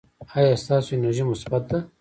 ایا ستاسو انرژي مثبت ده؟